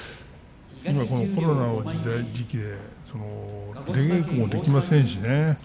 コロナの時代で出稽古もできませんからね。